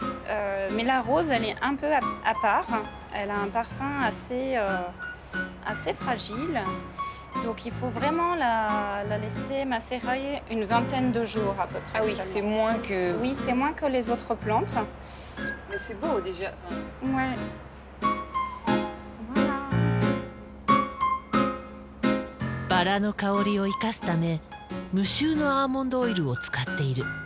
バラの香りを生かすため無臭のアーモンドオイルを使っている。